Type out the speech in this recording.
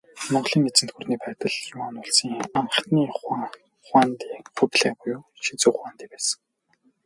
Монголын эзэнт гүрний байдалд үзвэл, Юань улсын анхны хуанди Хубилай буюу Шизү хуанди байсан.